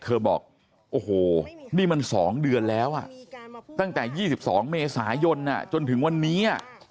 บอกโอ้โหนี่มัน๒เดือนแล้วตั้งแต่๒๒เมษายนจนถึงวันนี้